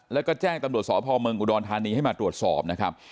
แล้วก็แจ้งตำรวจสพเมืองอุดรธานีให้มาตรวจสอบนะครับ